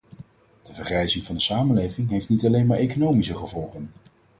De vergrijzing van de samenleving heeft niet alleen maar economische gevolgen.